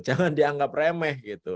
jangan dianggap remeh gitu